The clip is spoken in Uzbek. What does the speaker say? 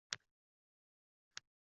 Yarim yorti hali hanuz sakta ishlar.